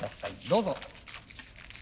どうぞ。